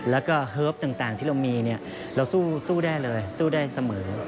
แล้วก็เฮิร์ฟต่างที่เรามีเนี่ยเราสู้ได้เลยสู้ได้เสมอ